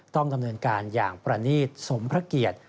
ต้องดำเนินการอย่างประนีตสมพระเกียรติ